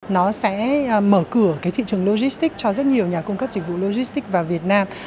nó sẽ mở cửa thị trường logistic cho rất nhiều nhà cung cấp dịch vụ logistic vào việt nam